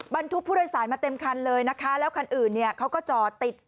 บรรทุกผู้โดยสารมาเต็มคันเลยนะคะแล้วคันอื่นเนี่ยเขาก็จอดติด